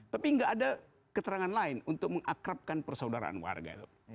tapi nggak ada keterangan lain untuk mengakrabkan persaudaraan warga itu